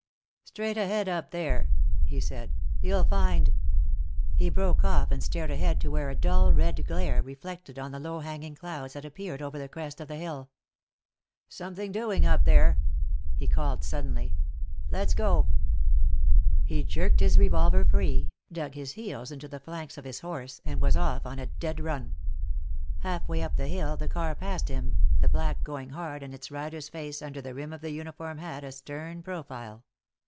"Straight ahead up there," he said. "You'll find " He broke off and stared ahead to where a dull red glare, reflected on the low hanging clouds, had appeared over the crest of the hill. "Something doing up there," he called suddenly. "Let's go." He jerked his revolver free, dug his heels into the flanks of his horse, and was off on a dead run. Half way up the hill the car passed him, the black going hard, and its rider's face, under the rim of his uniform hat, a stern profile.